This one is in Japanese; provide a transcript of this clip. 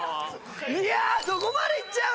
いやあそこまでいっちゃうの？